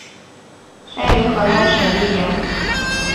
生于河南省泌阳。